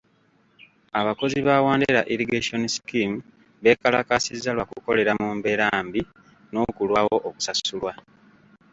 Abakozi ba Wandera irrigation scheme beekalakaasa lwa kukolera mu mbeera mbi n'okulwawo okusasulwa.